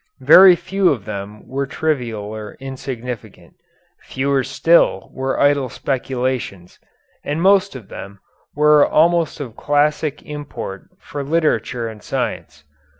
Very few of them were trivial or insignificant. Fewer still were idle speculations, and most of them were almost of classical import for literature and science.